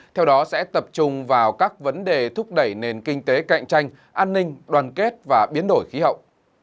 theo đó sẽ tập trung vào các vấn đề thúc đẩy nền kinh tế cạnh tranh an ninh đoàn kết và biến đổi khí hậu